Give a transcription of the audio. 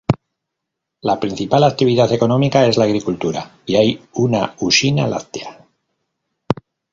La principal actividad económica es la agricultura, y hay una usina láctea.